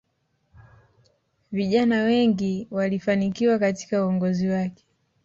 viijana wengi walifanikiwa katika uongozi wake